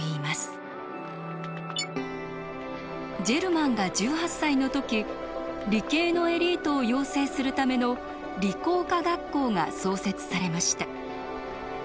ジェルマンが１８歳の時理系のエリートを養成するための「理工科学校」が創設されました。